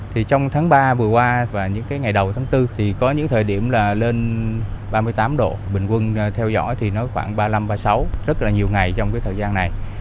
thì trong tháng ba vừa qua và những cái ngày đầu tháng bốn thì có những thời điểm là lên ba mươi tám độ bình quân theo dõi thì nó khoảng ba mươi năm và sáu rất là nhiều ngày trong cái thời gian này